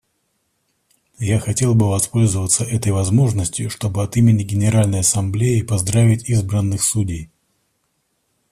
Я хотел бы воспользоваться этой возможностью, чтобы от имени Генеральной Ассамблеи поздравить избранных судей.